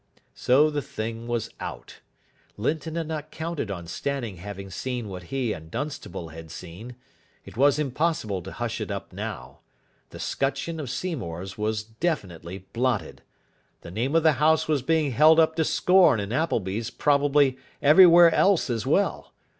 So the thing was out. Linton had not counted on Stanning having seen what he and Dunstable had seen. It was impossible to hush it up now. The scutcheon of Seymour's was definitely blotted. The name of the house was being held up to scorn in Appleby's probably everywhere else as well.